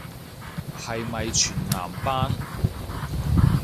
係咪全男班